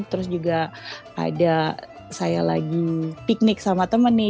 terus juga ada saya lagi piknik sama temen nih